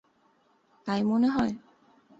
তাই মনে হয়?